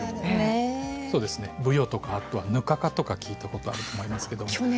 ブヨとかぬか蚊とか聞いたことがあると思いますが。